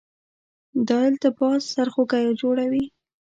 دا التباس سرخوږی جوړوي.